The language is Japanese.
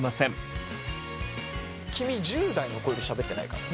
君１０代の子よりしゃべってないからね。